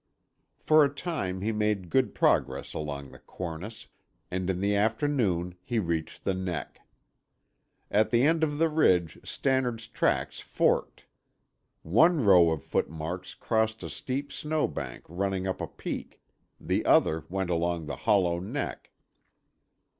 For a time he made good progress along the cornice, and in the afternoon he reached the neck. At the end of the ridge Stannard's tracks forked. One row of footmarks crossed a steep snow bank running up a peak; the other went along the hollow neck.